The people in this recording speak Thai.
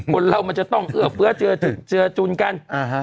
คนเรามันจะต้องเอื้อเฟื้อเจือจุนกัน